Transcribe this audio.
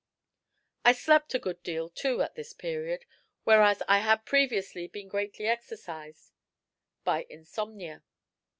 I slept a good deal, too, at this period, whereas I had previously been greatly exercised by insomnia.